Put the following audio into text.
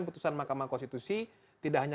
putusan mahkamah konstitusi tidak hanya